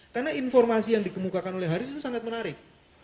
karena informasi yang dikemukakan oleh harris itu sangat menarik